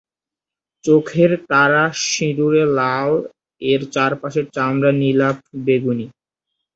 চোখের তারা সিঁদুরে-লাল, এর চারপাশের চামড়া নীলাভ-বেগুনি।